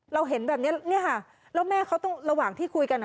เราเห็นแบบนี้แล้วแม่เขาต้องระหว่างที่คุยกัน